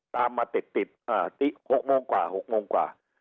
ตามมาติดติด๖โมงกว่า